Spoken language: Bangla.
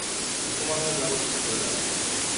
ঘুমানোর ব্যবস্থা করে দাও।